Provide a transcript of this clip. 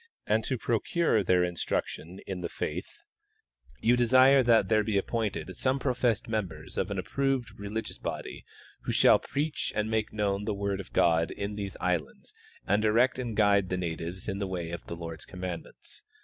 and to procure their instruction in the faith, you desire that there be appointed some professed members of an approved religious body who shall preach and make known the word of God in these islands and direct and guide the natives in the way of the Lord's commandments.